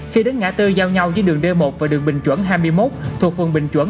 khi đến ngã tư giao nhau với đường d một và đường bình chuẩn hai mươi một thuộc phường bình chuẩn